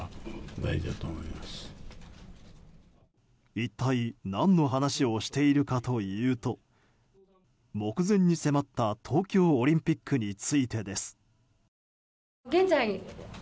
一体何の話をしているかというと目前に迫った東京オリンピックについてです。